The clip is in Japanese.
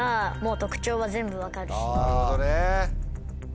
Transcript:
なるほどね。